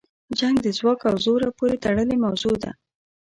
جنګ د ځواک او زوره پورې تړلې موضوع ده.